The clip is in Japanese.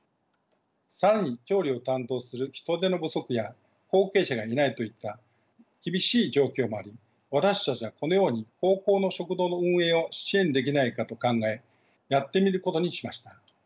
更に調理を担当する人手の不足や後継者がいないといった厳しい状況もあり私たちはこのように高校の食堂の運営を支援できないかと考えやってみることにしました。